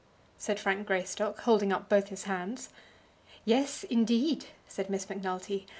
said Frank Greystock, holding up both his hands. "Yes, indeed!" said Miss Macnulty.